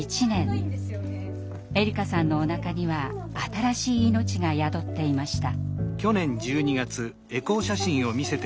えりかさんのおなかには新しい命が宿っていました。